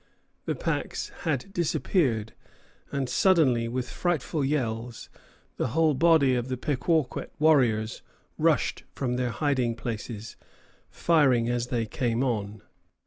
The packs had disappeared, and suddenly, with frightful yells, the whole body of the Pequawket warriors rushed from their hiding places, firing as they came on.